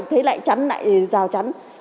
thấy lại chắn lại rào chắn